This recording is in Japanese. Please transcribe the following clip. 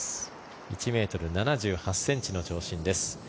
１ｍ７８ｃｍの長身です。